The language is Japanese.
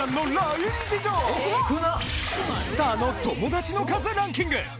スターの友だちの数ランキング